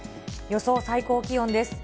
予想最高気温です。